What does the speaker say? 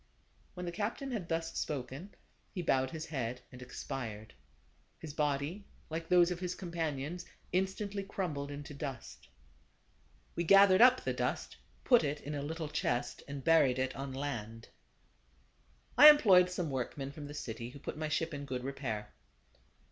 When the captain had thus spoken, he bowed his head and expired. His body, like those of his companions, instantly crumbled into dust. THE CAB A VAN. 125 We gathered up the dust, put it in a little chest, and buried it on land. I employed some workmen from the city, who put my ship in good repair.